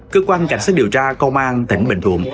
cơ quan cảnh sát điều tra công an tỉnh bình thuận